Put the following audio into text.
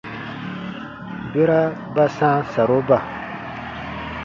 Bera ba sãa saroba.